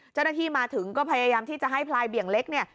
เจ้าหน้าที่มาถึงก็พยายามที่จะให้พลายเบี่ยงเล็กเนี่ย